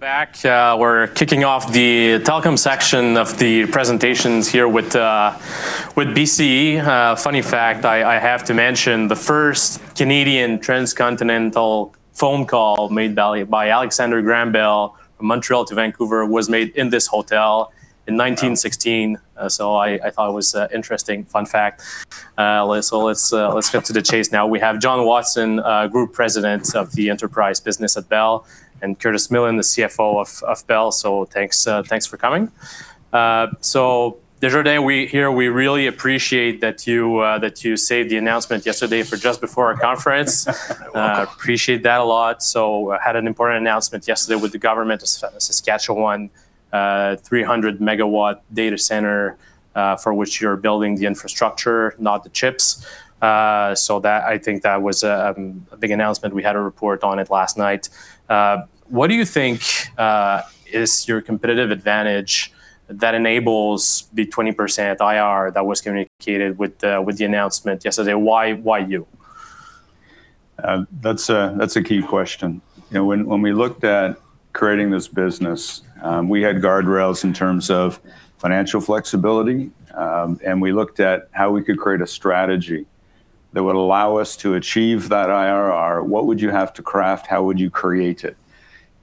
Welcome back. We're kicking off the telecom section of the presentations here with BCE. Funny fact, I have to mention, the first Canadian transcontinental phone call made by Alexander Graham Bell from Montreal to Vancouver was made in this hotel in 1916. Wow. I thought it was an interesting fun fact. Let's cut to the chase now. We have John Watson, Group President of the Enterprise Business at Bell, and Curtis Millen, the CFO of Bell. Thanks for coming. We really appreciate that you saved the announcement yesterday for just before our conference. Appreciate that a lot. Had an important announcement yesterday with the Government of Saskatchewan, 300MW data center, for which you're building the infrastructure, not the chips. That, I think that was a big announcement. We had a report on it last night. What do you think is your competitive advantage that enables the 20% IRR that was communicated with the announcement yesterday? Why, why you? That's a key question. You know, when we looked at creating this business, we had guardrails in terms of financial flexibility. We looked at how we could create a strategy that would allow us to achieve that IRR. What would you have to craft? How would you create it?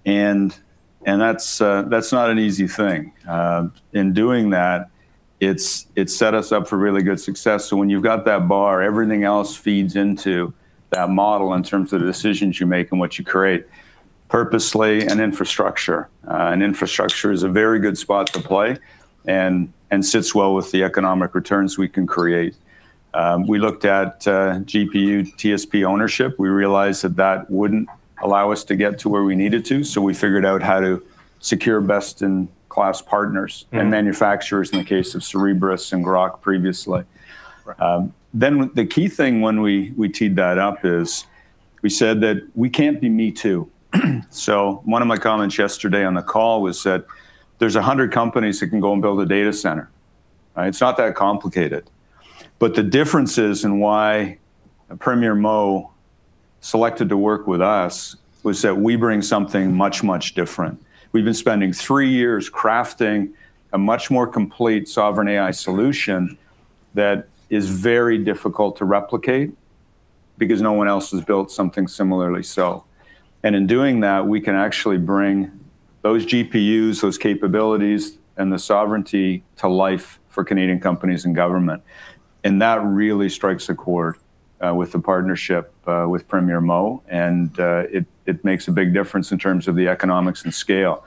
That's not an easy thing. In doing that, it set us up for really good success. When you've got that bar, everything else feeds into that model in terms of the decisions you make and what you create purposely. Infrastructure is a very good spot to play and sits well with the economic returns we can create. We looked at GPU, CSP ownership. We realized that wouldn't allow us to get to where we needed to, so we figured out how to secure best-in-class partners. Mm. Manufacturers in the case of Cerebras and Groq previously. Right. The key thing when we teed that up is we said that we can't be me too. One of my comments yesterday on the call was that there's 100 companies that can go and build a data center, right? It's not that complicated, but the difference is in why Premier Moe selected to work with us was that we bring something much, much different. We've been spending three years crafting a much more complete sovereign AI solution that is very difficult to replicate because no one else has built something similarly. In doing that, we can actually bring those GPUs, those capabilities, and the sovereignty to life for Canadian companies and government, and that really strikes a chord with the partnership with Premier Moe. It makes a big difference in terms of the economics and scale.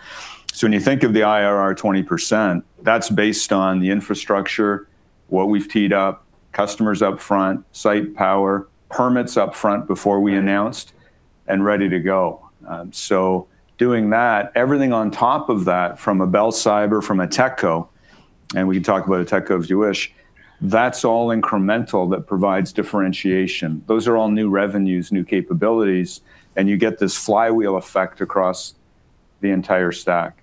When you think of the IRR 20%, that's based on the infrastructure, what we've teed up, customers up front, site power, permits up front before we announced. Right ready to go. Doing that, everything on top of that from a Bell Cyber, from a TechCo, and we can talk about a TechCo if you wish, that's all incremental that provides differentiation. Those are all new revenues, new capabilities, and you get this flywheel effect across the entire stack.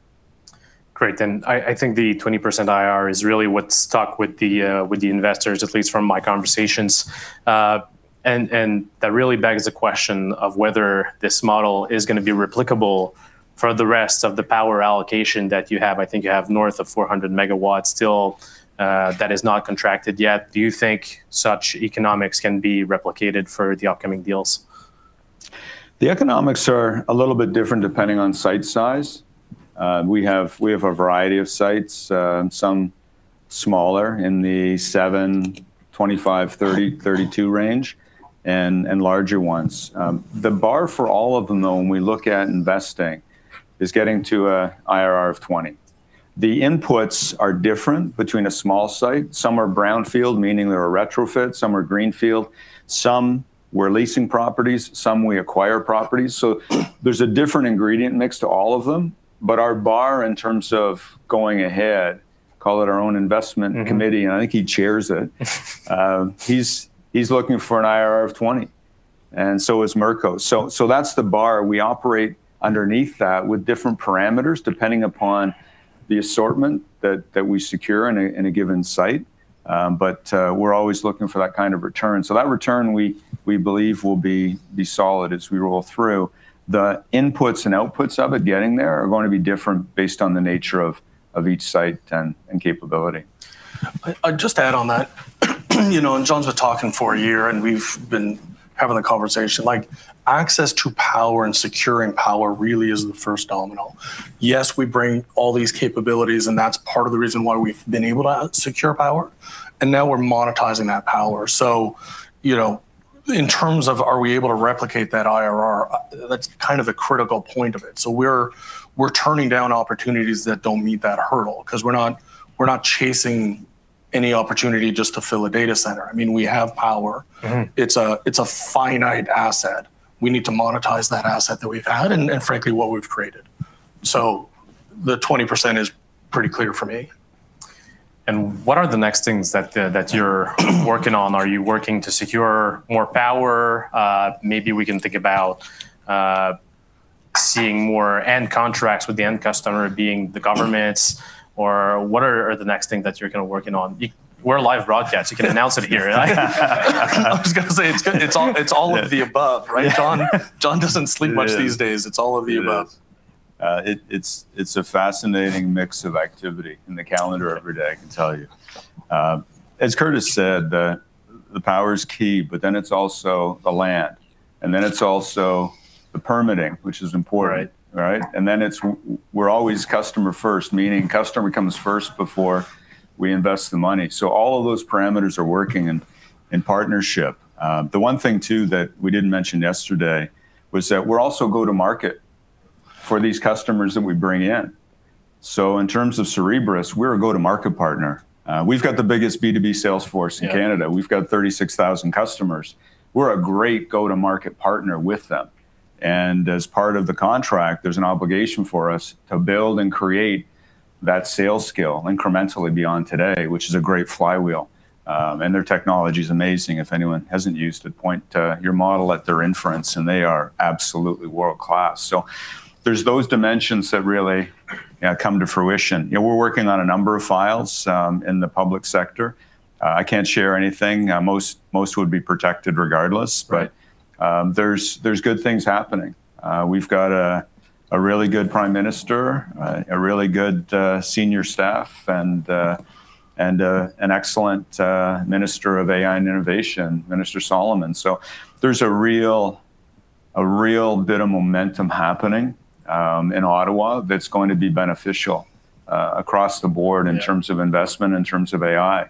Great. I think the 20% IRR is really what stuck with the investors, at least from my conversations. That really begs the question of whether this model is going to be replicable for the rest of the power allocation that you have. I think you have north of 400MW still that is not contracted yet. Do you think such economics can be replicated for the upcoming deals? The economics are a little bit different depending on site size. We have a variety of sites, and some smaller in the seven, 25, 30, 32 range and larger ones. The bar for all of them, though, when we look at investing is getting to an IRR of 20. The inputs are different between a small site. Some are brownfield, meaning they're a retrofit. Some are greenfield. Some we're leasing properties. Some we acquire properties, so there's a different ingredient mixed to all of them. Our bar in terms of going ahead, call it our own investment- Mm-hmm Committee, I think he chairs it. He's looking for an IRR of 20%, and so is Mirko. That's the bar. We operate underneath that with different parameters depending upon the assortment that we secure in a given site. We're always looking for that kind of return. That return we believe will be solid as we roll through. The inputs and outputs of it getting there are going to be different based on the nature of each site and capability. I'd just add on that, you know, and John's been talking for a year, and we've been having a conversation, like, access to power and securing power really is the first domino. Yes, we bring all these capabilities, and that's part of the reason why we've been able to secure power, and now we're monetizing that power. You know, in terms of are we able to replicate that IRR, that's kind of the critical point of it. We're turning down opportunities that don't meet that hurdle because we're not chasing any opportunity just to fill a data center. I mean, we have power. Mm-hmm. It's a finite asset. We need to monetize that asset that we've had and frankly what we've created. The 20% is pretty clear for me. What are the next things that you're working on? Are you working to secure more power? Maybe we can think about seeing more end contracts with the end customer being the governments or what are the next thing that you're going to working on? We're a live broadcast. You can announce it here. I was going to say, it's all of the above, right? John doesn't sleep much these days. Yes. It's all of the above. It's a fascinating mix of activity in the calendar every day, I can tell you. As Curtis said, the power is key, but then it's also the land, and then it's also the permitting, which is important. Right. Right? Then it's we're always customer first, meaning customer comes first before we invest the money. All of those parameters are working in partnership. The one thing too that we didn't mention yesterday was that we're also go-to-market for these customers that we bring in. In terms of Cerebras, we're a go-to-market partner. We've got the biggest B2B sales force in Canada. Yeah. We've got 36,000 customers. We're a great go-to-market partner with them. As part of the contract, there's an obligation for us to build and create that sales skill incrementally beyond today, which is a great flywheel. Their technology's amazing, if anyone hasn't used it. Point your model at their inference, and they are absolutely world-class. There's those dimensions that really come to fruition. You know, we're working on a number of files in the public sector. I can't share anything. Most would be protected regardless. Right. There's good things happening. We've got a really good prime minister, a really good senior staff, and an excellent Minister of AI and Innovation, Evan Solomon. There's a real bit of momentum happening in Ottawa that's going to be beneficial across the board. Yeah in terms of investment, in terms of AI.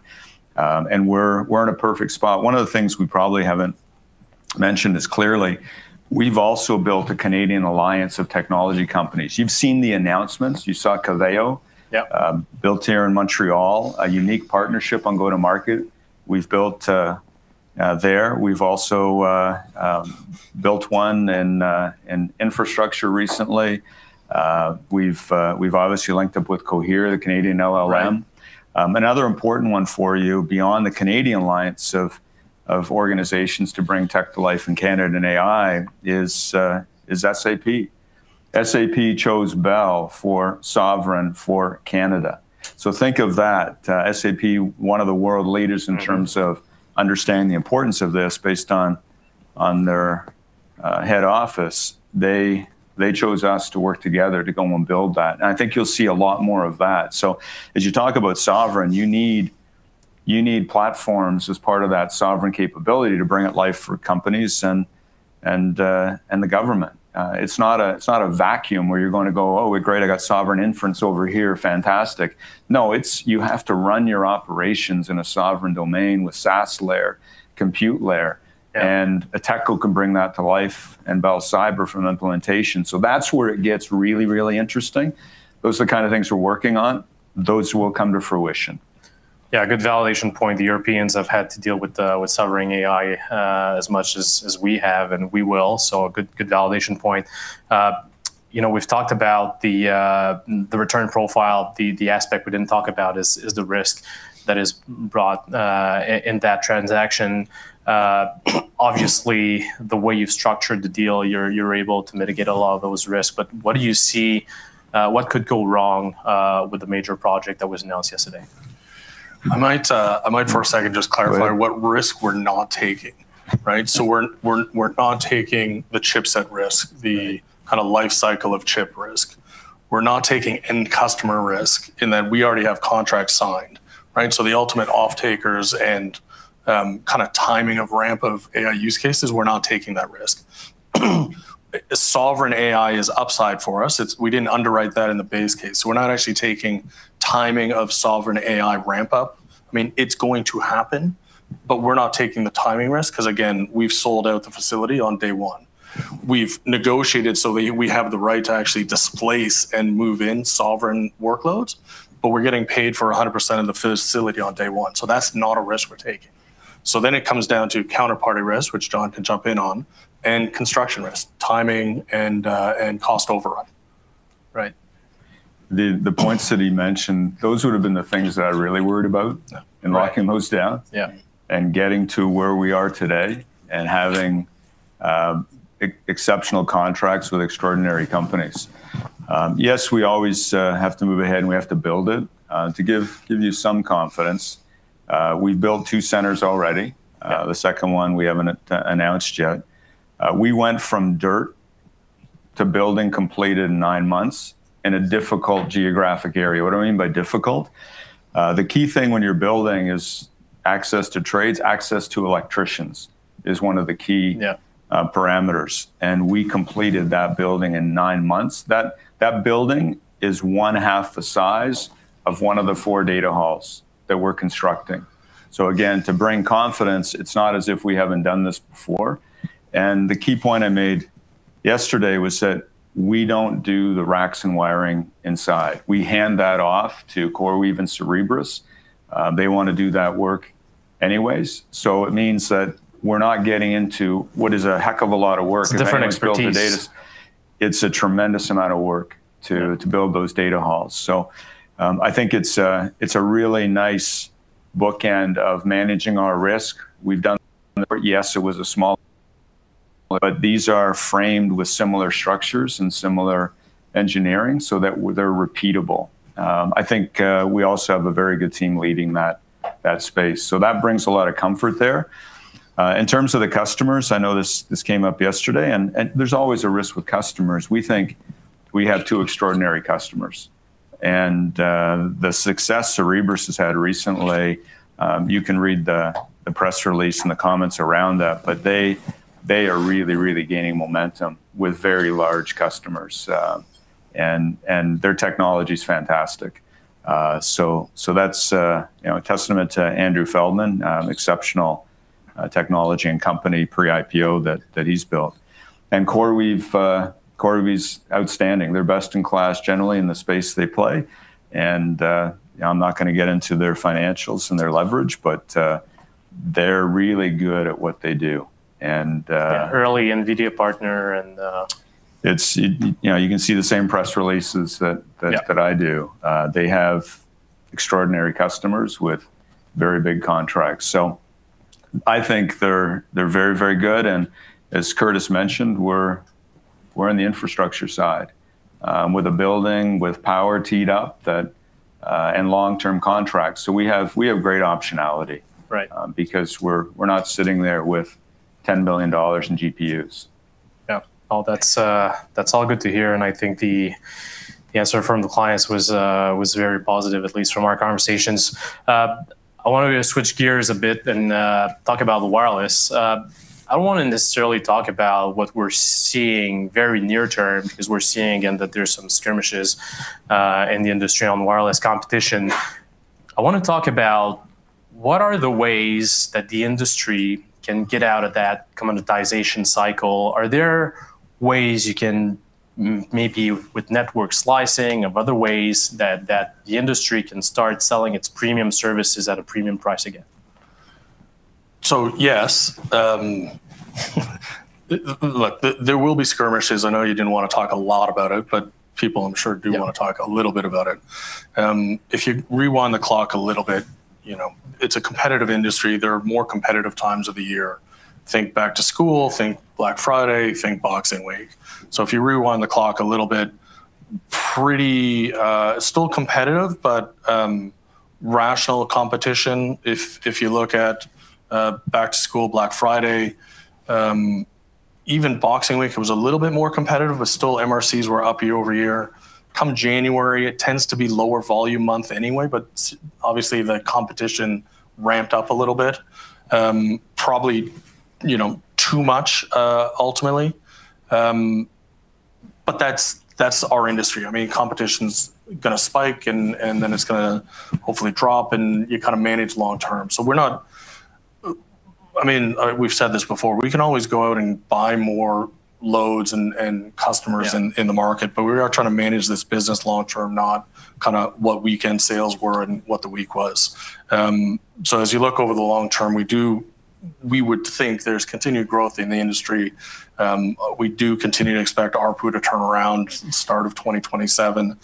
We're in a perfect spot. One of the things we probably haven't mentioned is clearly we've also built a Canadian alliance of technology companies. You've seen the announcements. You saw Coveo. Yeah Built here in Montreal, a unique partnership on go-to-market we've built there. We've also built one in infrastructure recently. We've obviously linked up with Cohere, the Canadian LLM. Right. Another important one for you beyond the Canadian alliance of organizations to bring tech to life in Canada and AI is SAP. SAP chose Bell for sovereign for Canada. Think of that, SAP, one of the world leaders in terms of understanding the importance of this based on their head office. They chose us to work together to go and build that, and I think you'll see a lot more of that. As you talk about sovereign, you need platforms as part of that sovereign capability to bring it to life for companies and the government. It's not a vacuum where you're going to go, "Oh, great, I got sovereign inference over here. Fantastic." No. It's you have to run your operations in a sovereign domain with SaaS layer, compute layer. Yeah A tech who can bring that to life and Bell Cyber for an implementation. That's where it gets really, really interesting. Those are the kind of things we're working on. Those will come to fruition. Yeah, good validation point. The Europeans have had to deal with sovereign AI as much as we have and we will, so a good validation point. You know, we've talked about the return profile. The aspect we didn't talk about is the risk that is brought in that transaction. Obviously, the way you've structured the deal, you're able to mitigate a lot of those risks, but what do you see, what could go wrong with the major project that was announced yesterday? I might for a second just clarify. Go ahead. What risk we're not taking, right? We're not taking the chipset risk. Right The kind of life cycle of chip risk. We're not taking end customer risk in that we already have contracts signed, right? The ultimate off-takers and kind of timing of ramp of AI use cases, we're not taking that risk. Sovereign AI is upside for us. It's. We didn't underwrite that in the base case. We're not actually taking timing of sovereign AI ramp-up. I mean, it's going to happen, but we're not taking the timing risk because, again, we've sold out the facility on day one. We've negotiated so that we have the right to actually displace and move in sovereign workloads, but we're getting paid for 100% of the facility on day one, so that's not a risk we're taking. It comes down to counterparty risk, which John can jump in on, and construction risk, timing and cost overrun. Right. The points that he mentioned, those would've been the things that I really worried about. Yeah. Right In locking those down. Yeah Getting to where we are today and having exceptional contracts with extraordinary companies. Yes, we always have to move ahead, and we have to build it. To give you some confidence, we've built two centers already. Yeah. The second one we haven't announced yet. We went from dirt to building complete in nine months in a difficult geographic area. What do I mean by difficult? The key thing when you're building is access to trades. Access to electricians is one of the key Yeah parameters, and we completed that building in nine months. That building is one half the size of one of the four data halls that we're constructing. Again, to bring confidence, it's not as if we haven't done this before. The key point I made yesterday was that we don't do the racks and wiring inside. We hand that off to CoreWeave and Cerebras. They want to do that work anyways, so it means that we're not getting into what is a heck of a lot of work. It's a different expertise. It's a tremendous amount of work to build those data halls. I think it's a really nice bookend of managing our risk. These are framed with similar structures and similar engineering so that they're repeatable. I think we also have a very good team leading that. That space. That brings a lot of comfort there. In terms of the customers, I know this came up yesterday, and there's always a risk with customers. We think we have two extraordinary customers. The success Cerebras has had recently, you can read the press release and the comments around that, but they are really gaining momentum with very large customers. Their technology's fantastic. That's, you know, a testament to Andrew Feldman, exceptional technology and company pre-IPO that he's built. CoreWeave's outstanding. They're best in class generally in the space they play. You know, I'm not going to get into their financials and their leverage, but they're really good at what they do. Yeah, early NVIDIA partner and. You know, you can see the same press releases that. Yeah That I do. They have extraordinary customers with very big contracts. I think they're very, very good, and as Curtis mentioned, we're in the infrastructure side, with a building, with power teed up that, and long-term contracts. We have great optionality. Right because we're not sitting there with $10 billion in GPUs. Yeah. Well, that's all good to hear, and I think the answer from the clients was very positive, at least from our conversations. I wanted to switch gears a bit and talk about the wireless. I don't want to necessarily talk about what we're seeing very near term because we're seeing, again, that there's some skirmishes in the industry on wireless competition. I want to talk about what are the ways that the industry can get out of that commoditization cycle. Are there ways you can maybe with network slicing or other ways that the industry can start selling its premium services at a premium price again? Yes. Look, there will be skirmishes. I know you didn't want to talk a lot about it, but people I'm sure do- Yeah Wanna talk a little bit about it. If you rewind the clock a little bit, you know, it's a competitive industry. There are more competitive times of the year. Think back to school, think Black Friday, think Boxing Week. If you rewind the clock a little bit, pretty still competitive, but rational competition if you look at back to school, Black Friday, even Boxing Week, it was a little bit more competitive, but still MRCs were up year over year. Come January, it tends to be lower volume month anyway, but obviously the competition ramped up a little bit. Probably, you know, too much ultimately. But that's our industry. I mean, competition's going to spike and then it's going to hopefully drop, and you kind of manage long term. We're not. I mean, we've said this before, we can always go out and buy more loads and customers. Yeah In the market, but we are trying to manage this business long term, not kind of what weekend sales were and what the week was. As you look over the long term, we would think there's continued growth in the industry. We do continue to expect ARPU to turn around start of 2027.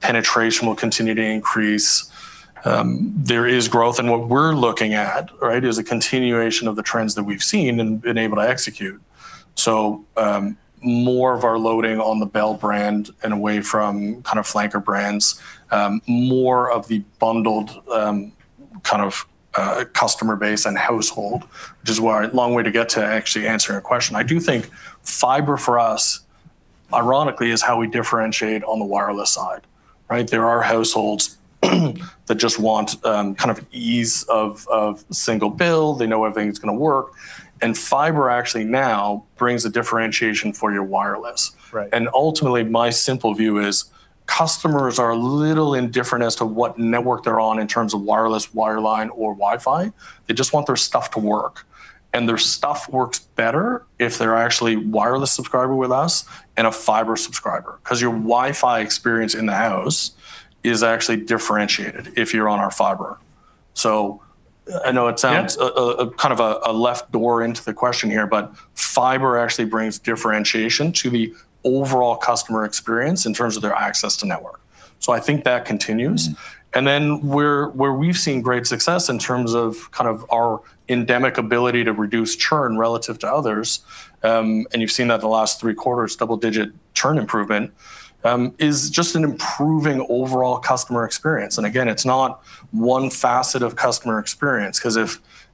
Penetration will continue to increase. There is growth, and what we're looking at, right, is a continuation of the trends that we've seen and been able to execute. More of our loading on the Bell brand and away from kind of flanker brands. More of the bundled kind of customer base and household, which is why it's a long way to get to actually answering a question. I do think fiber for us, ironically, is how we differentiate on the wireless side, right? There are households that just want kind of ease of single bill. They know everything's going to work, and fiber actually now brings a differentiation for your wireless. Right. Ultimately, my simple view is customers are a little indifferent as to what network they're on in terms of wireless, wireline, or Wi-Fi. They just want their stuff to work, and their stuff works better if they're actually wireless subscriber with us and a fiber subscriber. Because your Wi-Fi experience in the house is actually differentiated if you're on our fiber. I know it sounds. Yeah Kind of a left door into the question here, but fiber actually brings differentiation to the overall customer experience in terms of their access to network. I think that continues. Mm-hmm. Where we've seen great success in terms of kind of our endemic ability to reduce churn relative to others, and you've seen that the last three quarters, double-digit churn improvement, is just an improving overall customer experience. Again, it's not one facet of customer experience because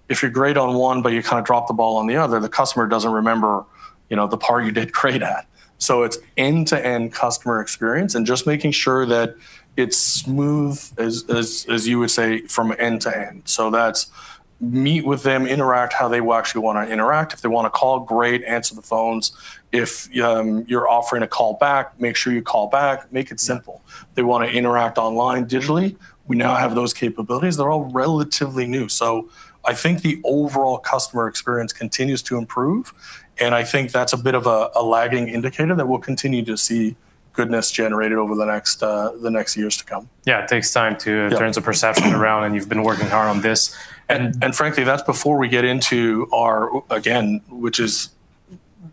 if you're great on one, but you kind of drop the ball on the other, the customer doesn't remember, you know, the part you did great at. It's end-to-end customer experience and just making sure that it's smooth as you would say, from end to end. That's meet with them, interact how they actually want to interact. If they want to call, great, answer the phones. If you're offering a call back, make sure you call back, make it simple. They want to interact online digitally. We now have those capabilities. They're all relatively new. I think the overall customer experience continues to improve, and I think that's a bit of a lagging indicator that we'll continue to see goodness generated over the next years to come. Yeah, it takes time to. Yeah turn the perception around, and you've been working hard on this. Frankly, that's before we get into our, again, which is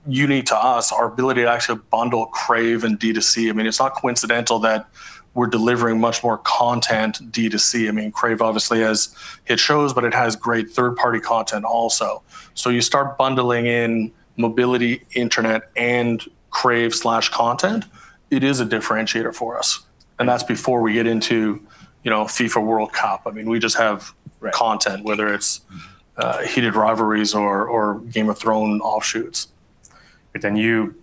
unique to us, our ability to actually bundle Crave and D2C. I mean, it's not coincidental that we're delivering much more content D2C. I mean, Crave obviously has its shows, but it has great third-party content also. You start bundling in mobility internet and Crave content. It is a differentiator for us. That's before we get into, you know, FIFA World Cup. I mean, we just have Right content, whether it's Heated Rivals or Game of Thrones spinoffs. You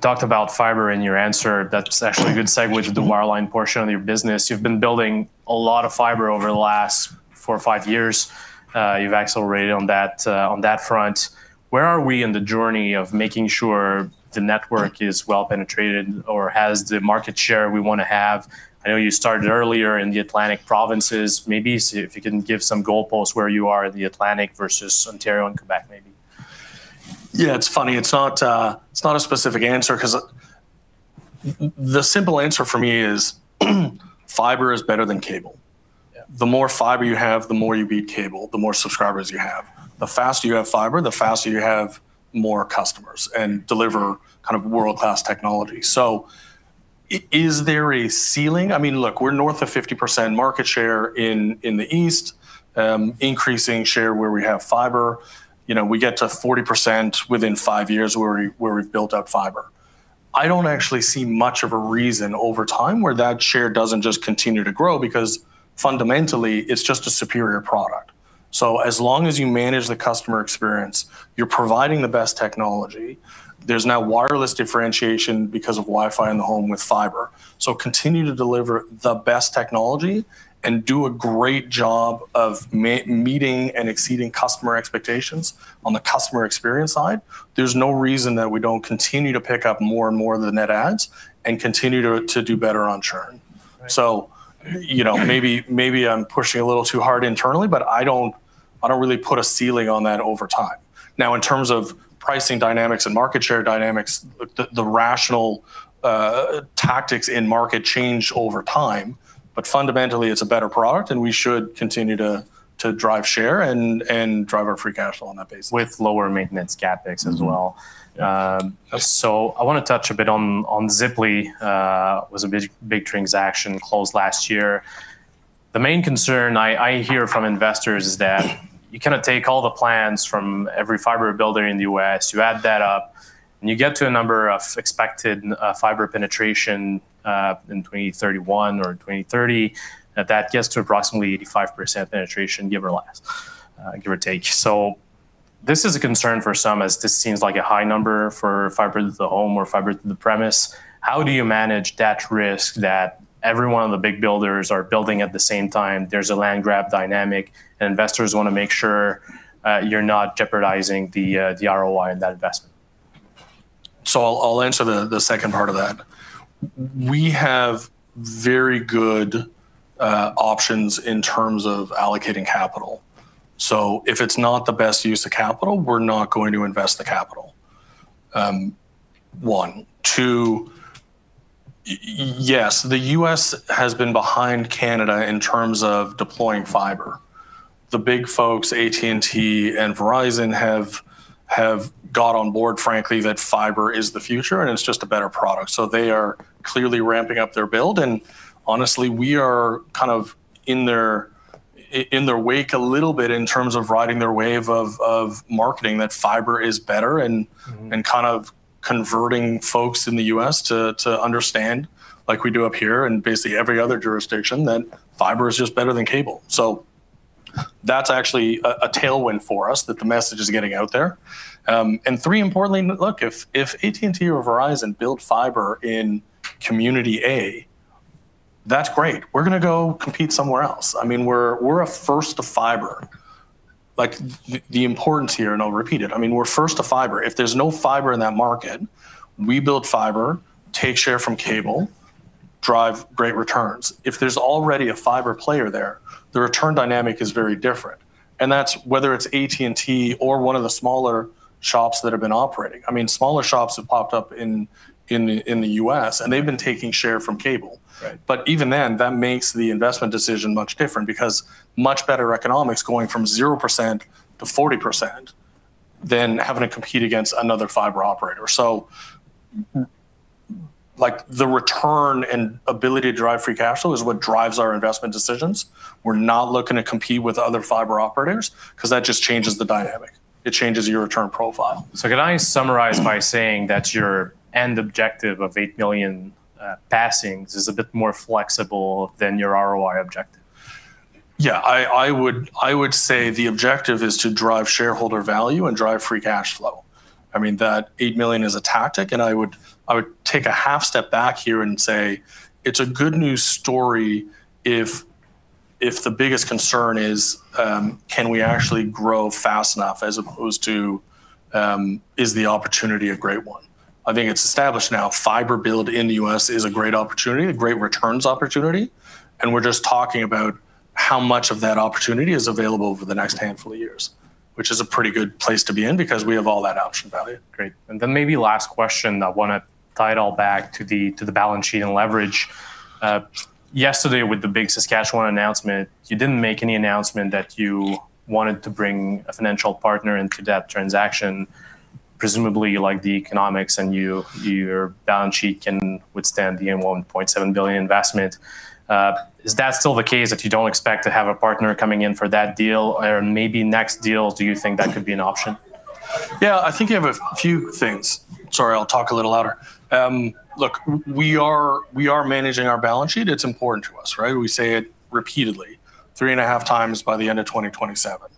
talked about fiber in your answer. That's actually a good segue to the wireline portion of your business. You've been building a lot of fiber over the last four or five years. You've accelerated on that, on that front. Where are we in the journey of making sure the network is well penetrated or has the market share we want to have? I know you started earlier in the Atlantic provinces. Maybe see if you can give some goalposts where you are in the Atlantic versus Ontario and Quebec maybe. Yeah, it's funny. It's not a specific answer because the simple answer for me is fiber is better than cable. Yeah. The more fiber you have, the more you beat cable, the more subscribers you have. The faster you have fiber, the faster you have more customers and deliver kind of world-class technology. Is there a ceiling? I mean, look, we're north of 50% market share in the East, increasing share where we have fiber. You know, we get to 40% within five years where we've built out fiber. I don't actually see much of a reason over time where that share doesn't just continue to grow because fundamentally, it's just a superior product. As long as you manage the customer experience, you're providing the best technology. There's now wireless differentiation because of Wi-Fi in the home with fiber. Continue to deliver the best technology and do a great job of meeting and exceeding customer expectations on the customer experience side. There's no reason that we don't continue to pick up more and more of the net adds and continue to do better on churn. Right. You know, maybe I'm pushing a little too hard internally, but I don't really put a ceiling on that over time. Now, in terms of pricing dynamics and market share dynamics, the rational tactics in market change over time, but fundamentally, it's a better product, and we should continue to drive share and drive our free cash flow on that basis. With lower maintenance CapEx as well. Mm-hmm. I want to touch a bit on Ziply Fiber, was a big transaction closed last year. The main concern I hear from investors is that you kind of take all the plans from every fiber builder in the U.S., you add that up, and you get to a number of expected fiber penetration in 2031 or in 2030, that gets to approximately 85% penetration, give or take. This is a concern for some, as this seems like a high number for fiber to the home or fiber to the premise. How do you manage that risk that every one of the big builders are building at the same time, there's a land grab dynamic, and investors wan make sure you're not jeopardizing the ROI on that investment? I'll answer the second part of that. We have very good options in terms of allocating capital. If it's not the best use of capital, we're not going to invest the capital, one. Two, yes, the U.S. has been behind Canada in terms of deploying fiber. The big folks, AT&T and Verizon, have got on board, frankly, that fiber is the future, and it's just a better product, so they are clearly ramping up their build. Honestly, we are kind of in their wake a little bit in terms of riding their wave of marketing that fiber is better and Mm-hmm Kind of converting folks in the U.S. to understand, like we do up here and basically every other jurisdiction, that fiber is just better than cable. That's actually a tailwind for us, that the message is getting out there. Three, importantly, look, if AT&T or Verizon build fiber in community A, that's great. We're going to go compete somewhere else. I mean, we're a first to fiber. Like, the importance here, and I'll repeat it, I mean, we're first to fiber. If there's no fiber in that market, we build fiber, take share from cable, drive great returns. If there's already a fiber player there, the return dynamic is very different, and that's whether it's AT&T or one of the smaller shops that have been operating. I mean, smaller shops have popped up in the U.S., and they've been taking share from cable. Right. Even then, that makes the investment decision much different because much better economics going from 0%-40% than having to compete against another fiber operator. Like, the return and ability to drive free cash flow is what drives our investment decisions. We're not looking to compete with other fiber operators because that just changes the dynamic. It changes your return profile. Can I summarize by saying that your end objective of 8 million passings is a bit more flexible than your ROI objective? Yeah. I would say the objective is to drive shareholder value and drive free cash flow. I mean, that 8 million is a tactic, and I would take a half step back here and say, it's a good news story if the biggest concern is, can we actually grow fast enough as opposed to, is the opportunity a great one? I think it's established now fiber build in the U.S. is a great opportunity, a great returns opportunity, and we're just talking about how much of that opportunity is available over the next handful of years, which is a pretty good place to be in because we have all that option value. Great. Then maybe last question. I want to tie it all back to the balance sheet and leverage. Yesterday, with the big Saskatchewan announcement, you didn't make any announcement that you wanted to bring a financial partner into that transaction. Presumably, you like the economics and you, your balance sheet can withstand the 1.7 billion investment. Is that still the case if you don't expect to have a partner coming in for that deal? Or maybe next deal, do you think that could be an option? Yeah. I think you have a few things. Sorry, I'll talk a little louder. Look, we are managing our balance sheet. It's important to us, right? We say it repeatedly, three and a half times by the end of 2027.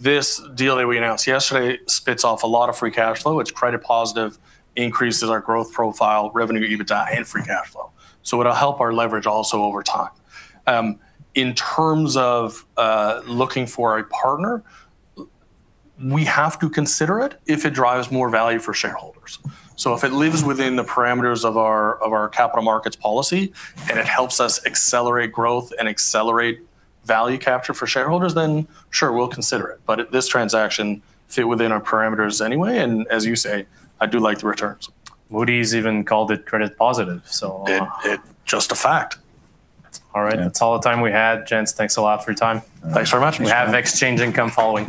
This deal that we announced yesterday spins off a lot of free cash flow. It's credit positive, increases our growth profile, revenue, EBITDA, and free cash flow, so it'll help our leverage also over time. In terms of looking for a partner, we have to consider it if it drives more value for shareholders. If it lives within the parameters of our capital markets policy and it helps us accelerate growth and accelerate value capture for shareholders, then sure, we'll consider it. This transaction fit within our parameters anyway, and as you say, I do like the returns. Moody's even called it credit positive, so. It's just a fact. All right. Yeah. That's all the time we had. Gents, thanks a lot for your time. Thanks very much. We have Exchange Income following.